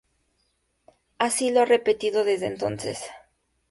Así lo ha repetido desde entonces.